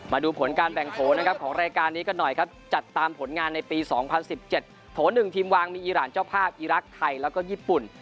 มาดูผลการแบ่งโถนะครับของรายการนี้กันหน่อยครับจัดตามผลงานในปี๒๐๑๗โถ๑ทีมวางมีอีรานเจ้าภาพอีรักษ์ไทยแล้วก็ญี่ปุ่น